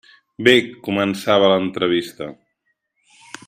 Bé començava l'entrevista.